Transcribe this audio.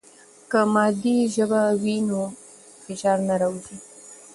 که مادي ژبه وي نو فشار نه راځي.